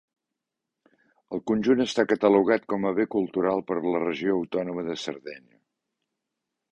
El conjunt està catalogat com a Bé Cultural per la Regió Autònoma de Sardenya.